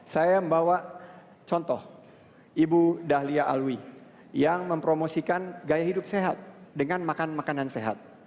saya membawa contoh ibu dahlia alwi yang mempromosikan gaya hidup sehat dengan makan makanan sehat